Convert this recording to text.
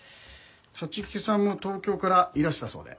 立木さんも東京からいらしたそうで。